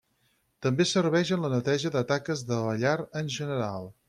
També serveix en la neteja de taques de la llar en general.